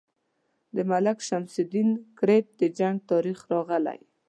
د ملک شمس الدین کرت د جنګ تاریخ راغلی.